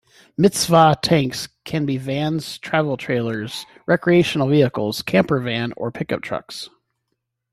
Mitzvah tanks can be vans, travel trailers, recreational vehicles, campervan or pickup trucks.